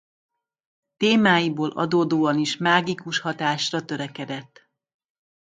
Témáiból adódóan is mágikus hatásra törekedett.